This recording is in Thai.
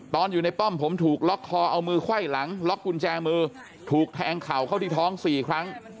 ตอนอยู่ในป้อมผมถูกล็อกคอเอามือไขว้หลังล็อกกุญแจมือถูกแทงเข่าเข้าที่ท้อง๔ครั้ง